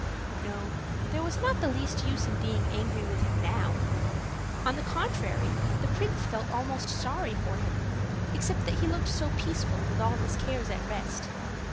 No, there was not the least use in being angry with him now. On the contrary, the Prince felt almost sorry for him, except that he looked so peaceful with all his cares at rest.